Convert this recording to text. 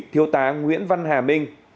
thiếu tá nguyễn văn hà minh